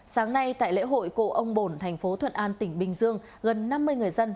sáng nay tại lễ hội cộ ông bồn tp thuận an tỉnh bình dương gần năm mươi người dân